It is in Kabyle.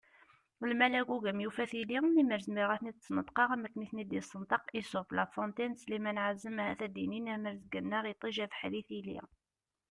Lmal agugam yufa tili, lemmer zmireɣ ad ten-id-sneṭqeɣ am akken i ten-id-yessenṭeq Esope, La Fontaine d Slimane Ɛazem ahat ad d-inin : am rrezg-nneɣ iṭij, abeḥri, tili!